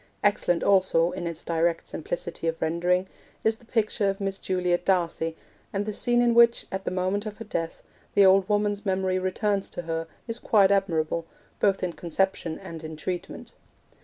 Excellent also, in its direct simplicity of rendering, is the picture of Miss Juliet D'Arcy; and the scene in which, at the moment of her death, the old woman's memory returns to her is quite admirable, both in conception and in treatment.